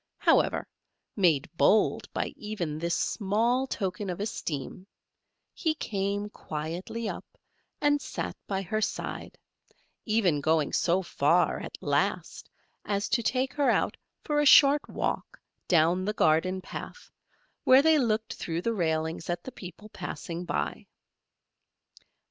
However, made bold by even this small token of esteem, he came quietly up, and sat by her side; even going so far, at last, as to take her out for a short walk down the garden path, where they looked through the railings at the people passing by.